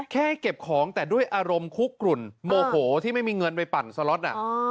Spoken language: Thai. ให้เก็บของแต่ด้วยอารมณ์คุกกลุ่นโมโหที่ไม่มีเงินไปปั่นสล็อต